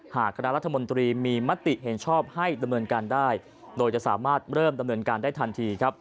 คณะรัฐมนตรีมีมติเห็นชอบให้ดำเนินการได้โดยจะสามารถเริ่มดำเนินการได้ทันทีครับ